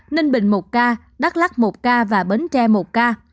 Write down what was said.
ninh bình một ca đắk lắc một ca và bến tre một ca